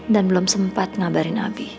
dan belum sempat ngabarin abi